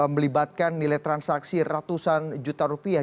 melibatkan nilai transaksi ratusan juta rupiah